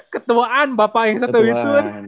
ketuaan bapak yang satu itu